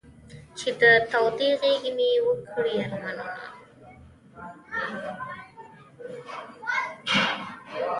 چې د تودې غېږې مې و کړې ارمانونه.